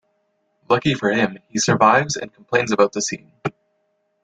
Lucky for him, he survives and complains about the scene.